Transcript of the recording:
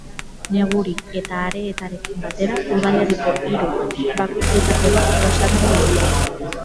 Neguri eta Areetarekin batera, udalerriko hiru barrutietako bat osatzen du.